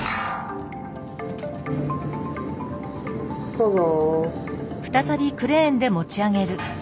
どうぞ。